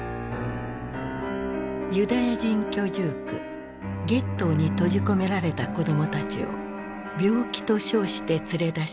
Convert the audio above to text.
ユダヤ人居住区ゲットーに閉じ込められた子どもたちを病気と称して連れ出し２，５００人を救った。